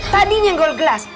tadi nyenggor gelas